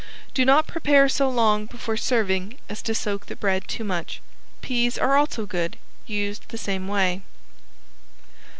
Do not prepare so long before serving as to soak the bread too much. Peas are also good used the same way.